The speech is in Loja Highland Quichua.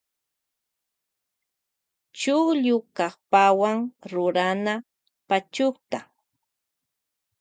Chukllu kapkawa rurana pachukta.